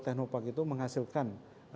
teknopark itu menghasilkan